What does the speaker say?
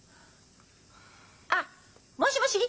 あっもしもし？